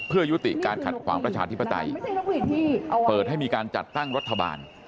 เพื่อยุติการขัดขวางประชาธิปไตยเปิดให้มีการจัดตั้งรัฐบาล